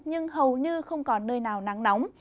nhưng hầu như không có nơi nào nắng nóng